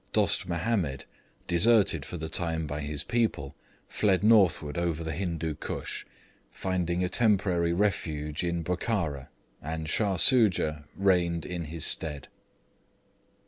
Dost Mahomed, deserted for the time by his people, fled northward over the Hindoo Koosh, finding a temporary refuge in Bokhara, and Shah Soojah reigned in his stead.